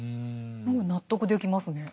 納得できますね。